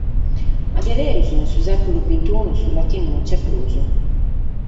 Ma a beru, in su sèculu bintunu, su latinu non b’est prus?